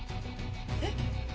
えっ？